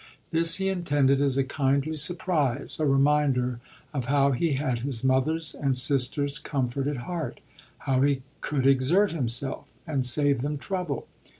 This he intended as a kindly surprise, a reminder of how he had his mother's and sisters' comfort at heart, how he could exert himself and save them trouble.